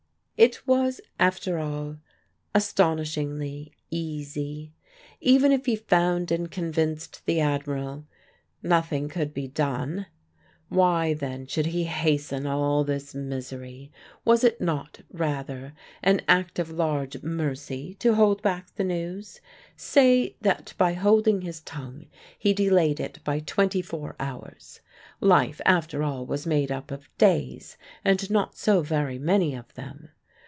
It was, after all, astonishingly easy. Even if he found and convinced the Admiral, nothing could be done. Why then should he hasten all this misery? Was it not, rather, an act of large mercy to hold back the news? Say that by holding his tongue he delayed it by twenty four hours; life after all was made up of days and not so very many of them.